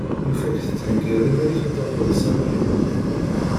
Yufa-k tettheggiḍ iman-ik ad truḥeḍ s amahil.